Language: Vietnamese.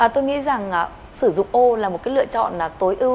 tôi nghĩ rằng sử dụng ô là một cái lựa chọn tối ưu